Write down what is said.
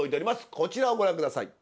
こちらをご覧下さい。